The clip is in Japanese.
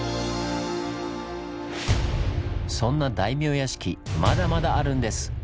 そんな大名屋敷まだまだあるんです！